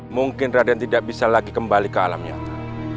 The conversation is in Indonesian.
mungkin raden tidak bisa lagi kembali ke alam nyata